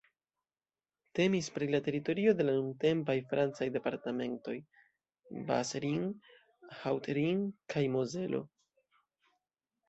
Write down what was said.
Temis pri la teritorio de la nuntempaj francaj departementoj Bas-Rhin, Haut-Rhin kaj Mozelo.